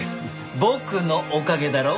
僕のおかげだろ？